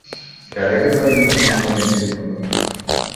Кәрәге бар ине эшкинмәгән телефоныңдың!